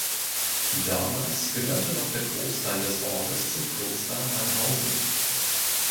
Damals gehörte noch der Großteil des Ortes zum Kloster Anhausen.